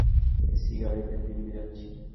AC গাড়িতে দিল্লি যাচ্ছি!